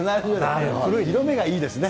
古い、色目がいいですね。